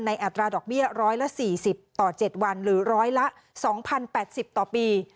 อัตราดอกเบี้ย๑๔๐ต่อ๗วันหรือร้อยละ๒๐๘๐ต่อปี